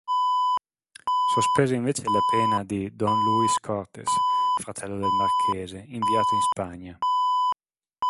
Sospese invece la pena di Don Luis Cortes, fratello del Marchese, inviato in Spagna.